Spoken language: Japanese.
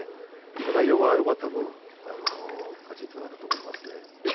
内容がよかった分勝ちにつながったと思います。